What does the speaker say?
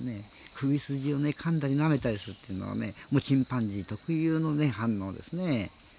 首筋をかんだり舐めたりするというのはチンパンジー特有の反応ですね。